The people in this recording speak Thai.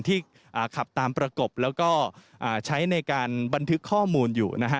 ที่ขับตามประกบแล้วก็ใช้ในการบันทึกข้อมูลอยู่นะฮะ